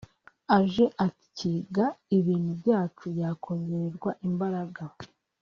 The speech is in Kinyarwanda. aje akiga ibintu byacu yakongererwa imbaraga